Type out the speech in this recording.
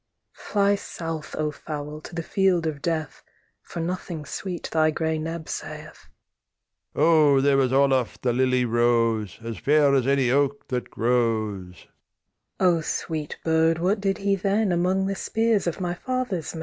Fly south, O fowl, to the field of death For nothing sweet thy grey neb saith. THE RAVEN O, there was Olaf the lily rose, As fair as any oak that grows. THE KING'S DAUGHTER O sweet bird, what did he then Among the spears of my father's men?